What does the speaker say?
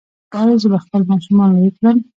ایا زه به خپل ماشومان لوی کړم؟